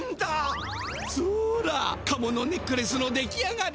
そらカモのネックレスのできあがり！